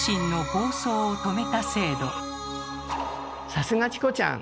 さすがチコちゃん！